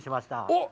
おっ！